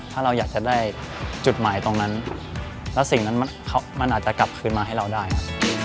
ถ้าเราอยากจะได้จุดหมายตรงนั้นแล้วสิ่งนั้นมันอาจจะกลับคืนมาให้เราได้ครับ